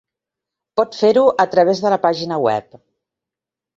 Pot fer-ho a través de la pàgina web.